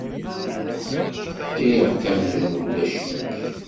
Rriɣ-k amzun ulac-ik.